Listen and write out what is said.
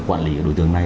quản lý đối tượng này